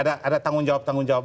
ada tanggung jawab tanggung jawab